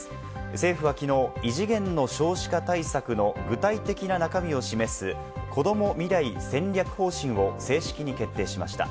政府は昨日、異次元の少子化対策の具体的な中身を示す、こども未来戦略方針を正式に決定しました。